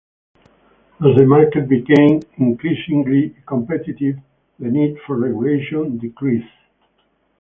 As the market became increasingly competitive, the need for regulation decreased.